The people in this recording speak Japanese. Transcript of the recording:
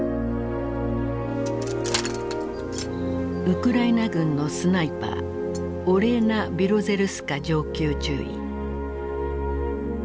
ウクライナ軍のスナイパーオレーナ・ビロゼルスカ上級中尉。